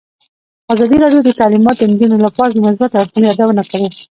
ازادي راډیو د تعلیمات د نجونو لپاره د مثبتو اړخونو یادونه کړې.